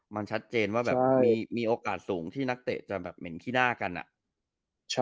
มันชัดเจนว่าแบบมีโอกาสสูงที่นักเตะจะแบบเหม็นขี้หน้ากันอะ